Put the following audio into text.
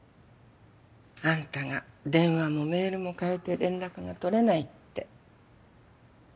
アンタが電話もメールも変えて連絡が取れないって。